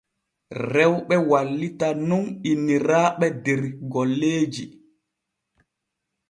Rewɓe wallitan nun inniraaɓe der golleeji.